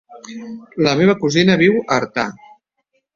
La meva cosina viu a Artà.